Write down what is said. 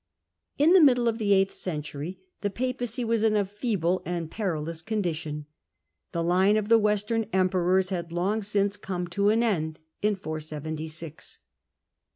In the middle of the eighth century the Papacy was in a feeble and perilous condition. The line of Origin of the Western emperors had long since come b^^ the to an end (476).